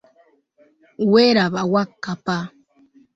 Weeraba Wakkapa.